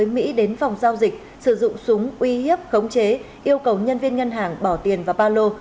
mỹ đến phòng giao dịch sử dụng súng uy hiếp khống chế yêu cầu nhân viên ngân hàng bỏ tiền vào ba lô